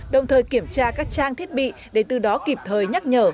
đồng thời kiểm tra các trang thiết bị để từ đó kịp thời nhắc nhở